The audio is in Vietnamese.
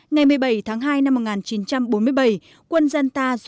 ngày một mươi bảy tháng hai năm một nghìn chín trăm bốn mươi bảy